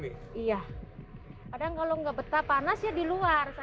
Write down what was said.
kemudian tempat buat klik kalau hujan tutup ini saja